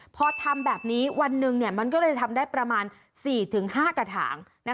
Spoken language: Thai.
พอทำแบบนี้วันหนึ่งมันก็เลยทำได้ประมาณ๔๕กระถาง